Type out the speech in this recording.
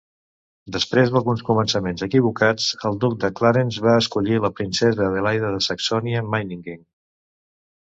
Després d'alguns començaments equivocats, el Duc de Clarence va escollir la Princesa Adelaida de Saxònia-Meiningen.